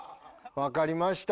わかりました。